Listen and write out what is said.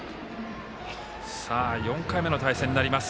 ４回目の対戦になります。